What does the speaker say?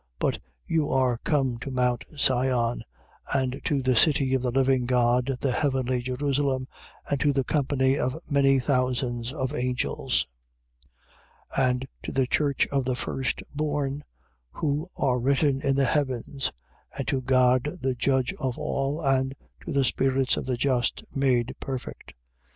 12:22. But you are come to mount Sion and to the city of the living God, the heavenly Jerusalem, and to the company of many thousands of angels, 12:23. And to the church of the firstborn who are written in the heavens, and to God the judge of all, and to the spirits of the just made perfect, 12:24.